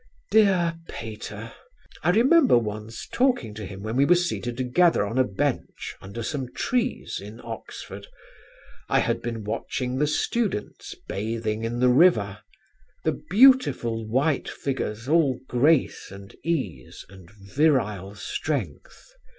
Dear Pater! I remember once talking to him when we were seated together on a bench under some trees in Oxford. I had been watching the students bathing in the river: the beautiful white figures all grace and ease and virile strength.